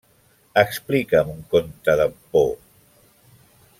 Explica'm un conte de por.